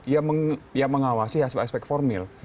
yang mengawasi aspek formil